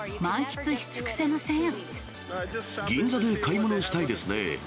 銀座で買い物をしたいですね。